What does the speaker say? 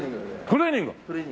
トレーニング。